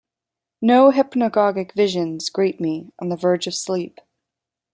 No hypnagogic visions greet me on the verge of sleep.